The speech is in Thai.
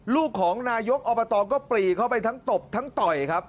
ลูกของนายกอบตก็ปรีเข้าไปทั้งตบทั้งต่อยครับ